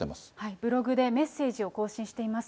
ブログでメッセージを更新しています。